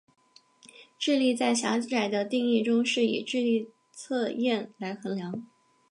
智力在狭窄的定义中是以智力测验来衡量。